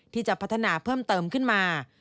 ที่จะพัฒนาเพิ่มเติมขึ้นมา